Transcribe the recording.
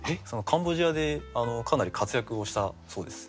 カンボジアでかなり活躍をしたそうです。